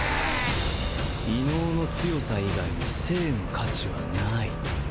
異能の強さ以外に生の価値はない。